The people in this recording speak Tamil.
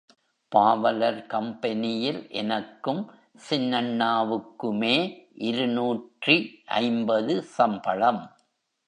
பாவலர் கம்பெனியில் எனக்கும் சின்னண்ணாவுக்குமே இருநூற்று ஐம்பது சம்பளம்.